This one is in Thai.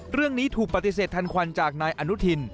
เรื่องนี้ถูกปฏิเสธทันควันจากนายอนุทิน